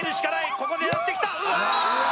ここで狙ってきたああ